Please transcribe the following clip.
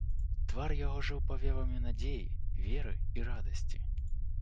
Твар яго жыў павевамі надзеі, веры і радасці.